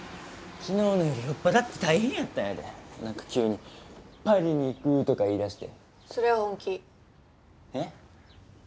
昨日の夜酔っ払って大変やったんやでなんか急に「パリに行く」とか言いだしてそれは本気えっ？